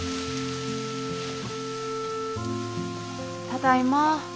ただいま。